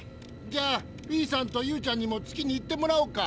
じゃあフィーさんとユーちゃんにも月に行ってもらおうか。